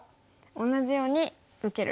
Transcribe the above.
同じように受ける。